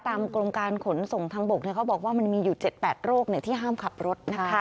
กรมการขนส่งทางบกเขาบอกว่ามันมีอยู่๗๘โรคที่ห้ามขับรถนะคะ